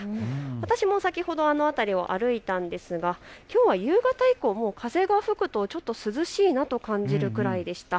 私も先ほどあの辺りを歩いたんですが、きょうは夕方以降、風が吹くとちょっと風が涼しいなと感じるくらいでした。